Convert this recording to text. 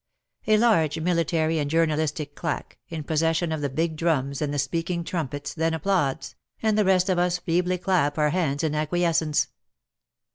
A large military and journalistic claque, In possession of the big drums and the speaking trumpets, then applauds, and the rest of us feebly clap our hands in acquiescence.